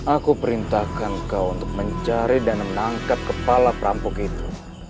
aku perintahkan kau untuk mencari dan menangkap kepala perampok itu